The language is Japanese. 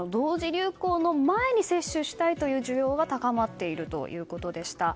流行の前に接種したいという需要が高まっているということでした。